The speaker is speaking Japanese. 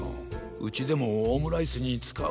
うちでもオムライスにつかう。